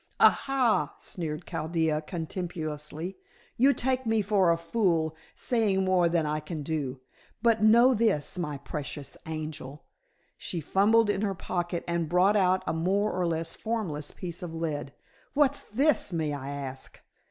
"Aha," sneered Chaldea contemptuously, "you take me for a fool, saying more than I can do. But know this, my precious angel" she fumbled in her pocket and brought out a more or less formless piece of lead "what's this, may I ask?